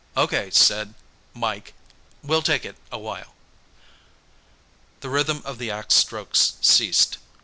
"Okay, Sid Mike. We'll take it a while." The rhythm of the axe strokes ceased.